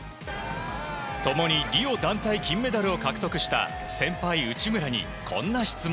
共にリオ団体金メダルを獲得した先輩、内村に、こんな質問。